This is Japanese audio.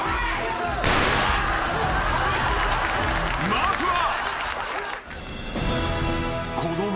［まずは］